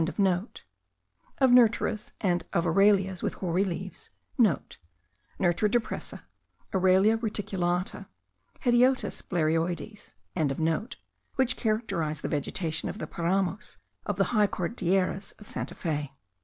of nerteras, and of aralias with hoary leaves,* (* Nertera depressa, Aralia reticulata, Hedyotis blaerioides.) which characterize the vegetation of the paramos on the high Cordilleras of Santa Fe.